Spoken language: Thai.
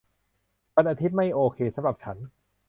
วันอาทิตย์ไม่โอเคสำหรับฉัน